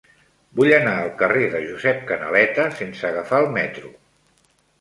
Vull anar al carrer de Josep Canaleta sense agafar el metro.